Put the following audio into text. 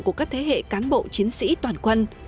của các thế hệ cán bộ chiến sĩ toàn quân